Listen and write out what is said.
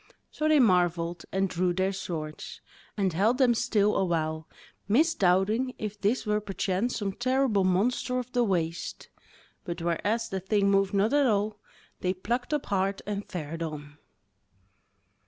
So they marvelled, and drew their swords, and held them still awhile, misdoubting if this were perchance some terrible monster of the waste; but whereas the thing moved not at all, they plucked up heart and fared on.